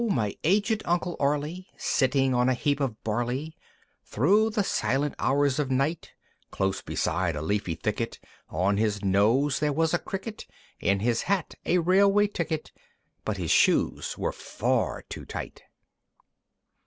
O My Aged Uncle Arly! Sitting on a heap of Barley Thro' the silent hours of night, Close beside a leafy thicket: On his nose there was a Cricket, In his hat a Railway Ticket (But his shoes were far too tight).